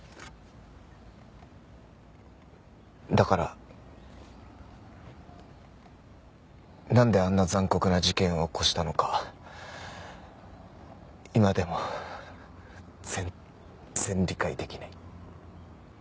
だからなんであんな残酷な事件を起こしたのか今でも全然理解できない。